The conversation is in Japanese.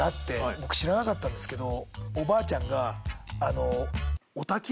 僕知らなかったんですけど。